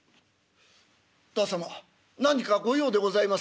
「旦様何か御用でございますか？」。